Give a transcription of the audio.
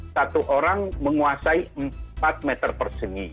satu orang menguasai empat meter persegi